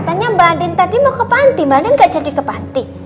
katanya mbak andin tadi mau ke panti mbak neng gak jadi ke panti